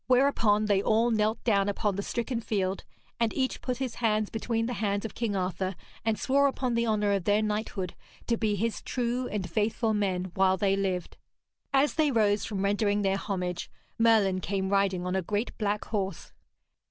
Whereupon they all knelt down upon the stricken field, and each put his hands between the hands of King Arthur, and swore upon the honour of their knighthood to be his true and faithful men while they lived. As they rose from rendering their homage, Merlin came riding on a great black horse.